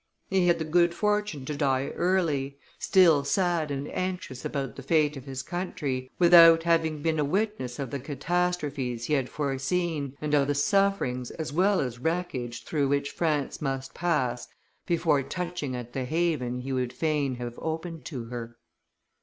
He had the good fortune to die early, still sad and anxious about the fate of his country, without having been a witness of the catastrophes he had foreseen and of the sufferings as well as wreckage through which France must pass before touching at the haven he would fain have opened to her.